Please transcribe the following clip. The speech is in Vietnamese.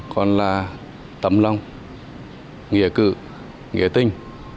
còn là tâm lòng nghĩa cự nghĩa tinh